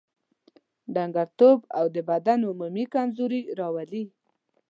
ډنګرتوب او د بدن عمومي کمزوري راولي.